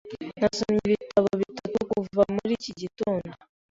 Nasomye ibitabo bitatu kuva muri iki gitondo.